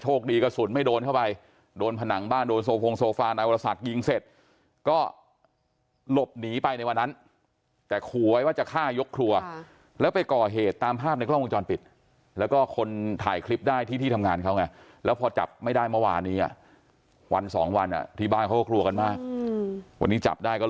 โชคดีกระสุนไม่โดนเข้าไปโดนผนังบ้านโดนโฟงโฟฟ้า